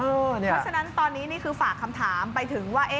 เพราะฉะนั้นตอนนี้นี่คือฝากคำถามไปถึงว่า